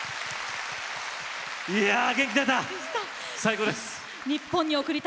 いやあ元気が出た！